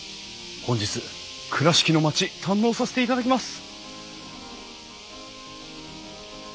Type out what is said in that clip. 本日倉敷の町堪能させていただきます！